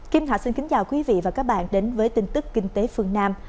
kim hạ xin kính chào quý vị và các bạn đến với tin tức kinh tế phương nam